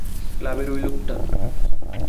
ক্লাবের ওই লোকটা।